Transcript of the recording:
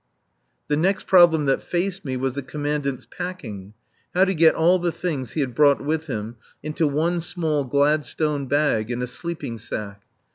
The next problem that faced me was the Commandant's packing how to get all the things he had brought with him into one small Gladstone bag and a sleeping sack.